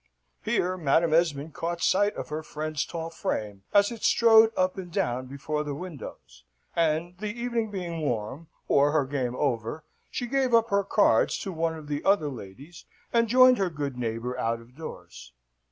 Here Madam Esmond caught sight of her friend's tall frame as it strode up and down before the windows; and, the evening being warm, or her game over, she gave up her cards to one of the other ladies, and joined her good neighbour out of doors.